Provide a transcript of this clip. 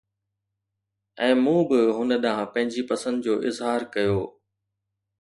۽ مون به هن ڏانهن پنهنجي پسند جو اظهار ڪيو